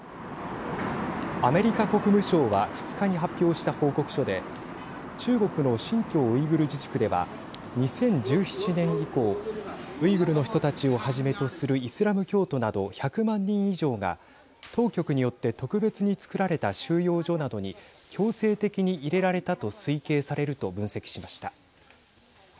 アメリカ国務省は２日に発表した報告書で中国の新疆ウイグル自治区では２０１７年以降ウイグル人たちをはじめとするイスラム教徒など１００万人以上が当局によって特別につくられた収容所などに強制的に入れられたと推計されると分析しました。